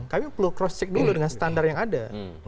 kami perlu cross check dulu dengan standar yang ada